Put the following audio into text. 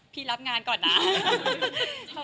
พี่รับงานก่อนนะ